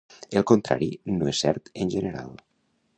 El contrari no és cert en general.